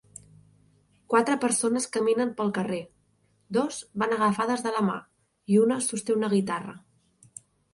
Quatre persones caminen pel carrer; dos van agafades de la mà i una sosté una guitarra.